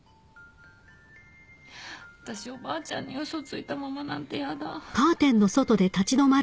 私おばあちゃんに嘘ついたままなんてやだ。